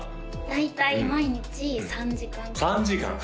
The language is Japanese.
大体毎日３時間ぐらい３時間！